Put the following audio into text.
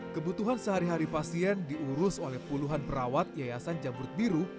kebutuhan sehari hari pasien diurus oleh puluhan perawat yayasan jamrut biru